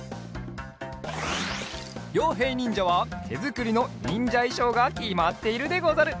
りょうへいにんじゃはてづくりのにんじゃいしょうがきまっているでござる。